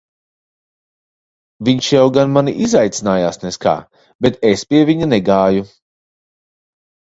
Viņš jau gan mani izaicinājās nez kā, bet es pie viņa negāju.